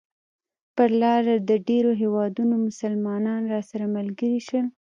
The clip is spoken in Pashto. پر لاره د ډېرو هېوادونو مسلمانان راسره ملګري شول.